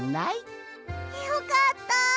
よかった。